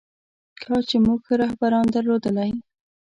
کاش چې موږ ښه رهبران درلودلی.